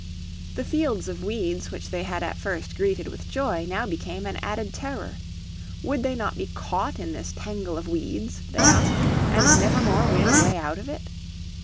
The fields of weeds which they had at first greeted with joy now became an added terror. Would they not be caught in this tangle of weeds, they asked, and never more win a way out of it?